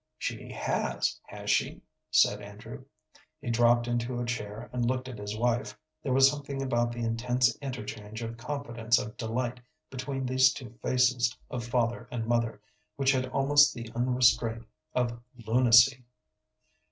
"She has, has she?" said Andrew. He dropped into a chair and looked at his wife. There was something about the intense interchange of confidence of delight between these two faces of father and mother which had almost the unrestraint of lunacy.